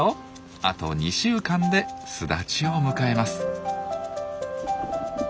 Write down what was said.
あと２週間で巣立ちを迎えます。